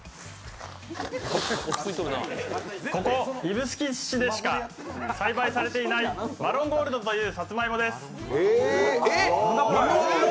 ここ、指宿市でしか栽培されていないマロンゴールドというさつまいもです。